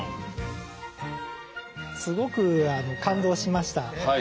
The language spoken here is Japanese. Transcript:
すごく感動しました。